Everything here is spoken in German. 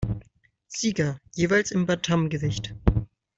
Sieger, jeweils im Bantamgewicht.